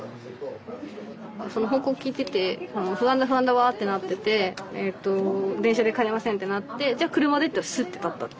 その報告聞いてて不安だ不安だわってなってて「電車で帰れません」ってなって「じゃあ車で」って言ったらスッて立ったって。